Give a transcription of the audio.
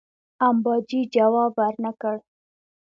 امباجي جواب ورنه کړ.